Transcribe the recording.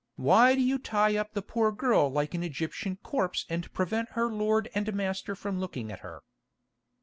Why do you tie up the poor girl like an Egyptian corpse and prevent her lord and master from looking at her?"